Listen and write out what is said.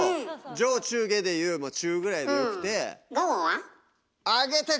上中下で言うもう中ぐらいでよくて。